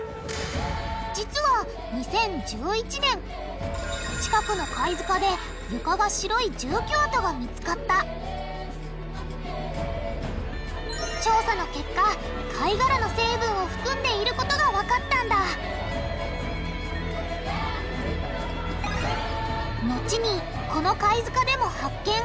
実は２０１１年近くの貝塚で床が白い住居跡が見つかった調査の結果貝がらの成分を含んでいることがわかったんだ後にこの貝塚でも発見。